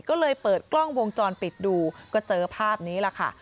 ก็เลยเปิดกล้องวงจรปิดดูก็เจอภาพนี้แหละค่ะ